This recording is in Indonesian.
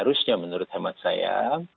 harusnya menurut hemat saya